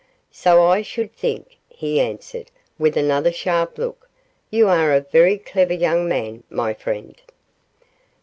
'So I should think,' he answered, with another sharp look, 'you are a very clever young man, my friend.